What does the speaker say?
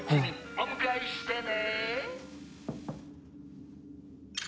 「お迎えしてね」